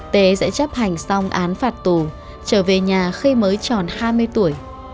tế sẽ chấp hành xong án phạt tù trở về nhà khi mới tròn hai mươi tuổi